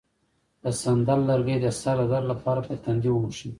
د سندل لرګی د سر د درد لپاره په تندي ومښئ